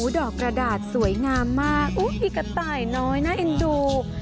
ดอกกระดาษสวยงามมากพี่กระต่ายน้อยน่าเอ็นดู